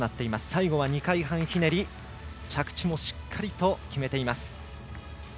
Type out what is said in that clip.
最後は２回半ひねり着地もしっかりと決めています。